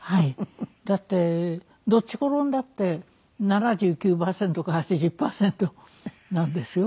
だってどっち転んだって７９パーセントか８０パーセントなんですよ。